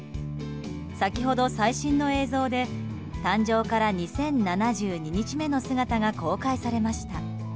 先ほど、最新の映像で誕生から２０７２日目の姿が公開されました。